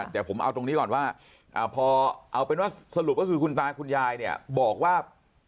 แต่ผมเอาตรงนี้ก่อนว่าพอเอาเป็นว่าสรุปก็คือคุณตาคุณยายเนี่ยบอกว่า